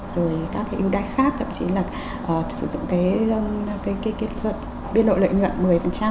rồi các cái ưu đại khác tậm chí là sử dụng cái kết luận biên độ lợi nhuận một mươi